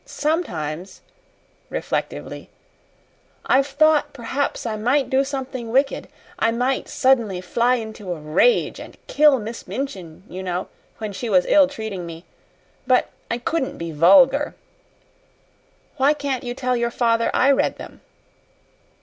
Sometimes" reflectively "I've thought perhaps I might do something wicked I might suddenly fly into a rage and kill Miss Minchin, you know, when she was ill treating me but I COULDN'T be vulgar. Why can't you tell your father I read them?"